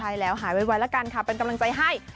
ใช่แล้วหายไวแล้วกันค่ะเป็นกำลังใจให้